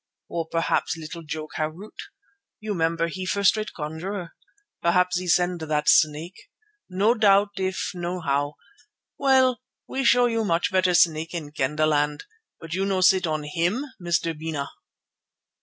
Or p'raps little joke Harût. You 'member, he first rate conjurer. P'raps he send that snake. No trouble if know how. Well, we show you much better snake Kendahland. But you no sit on him, Mr. Bena."